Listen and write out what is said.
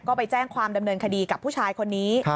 ก็ไปแจ้งความดำเนินคดีกับผู้ชายคนนี้